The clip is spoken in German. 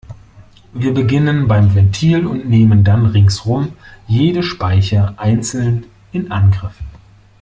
Wir beginnen beim Ventil und nehmen dann ringsum jede Speiche einzeln in Angriff.